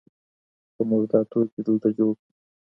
که موږ دا توکي دلته جوړ کړو.